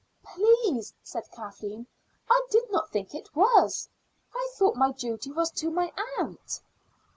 "Please," said Kathleen, "I did not think it was. I thought my duty was to my aunt."